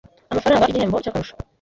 amafaranga y igihembo cy akarusho